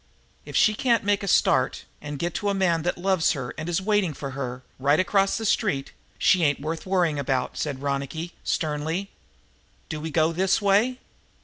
"If she can't make a start and get to a man that loves her and is waiting for her, right across the street, she ain't worth worrying about," said Ronicky sternly. "Do we go this way?"